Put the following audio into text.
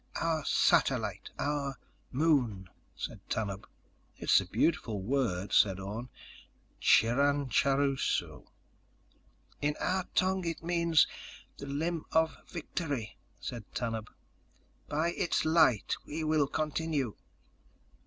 "Our satellite ... our moon," said Tanub. "It's a beautiful word," said Orne. "Chiranachuruso." "In our tongue it means: The Limb of Victory," said Tanub. "By its light we will continue."